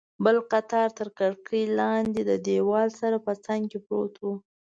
بل قطار تر کړکۍ لاندې، د دیوال سره په څنګ کې پروت و.